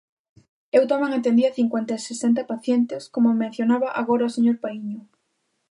Eu tamén atendía cincuenta e sesenta pacientes, como mencionaba agora o señor Paíño.